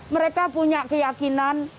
mereka punya keyakinan